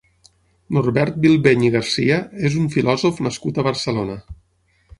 Norbert Bilbeny i García és un filòsof nascut a Barcelona.